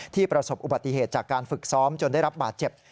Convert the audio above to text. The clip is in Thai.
ประสบอุบัติเหตุจากการฝึกซ้อมจนได้รับบาดเจ็บ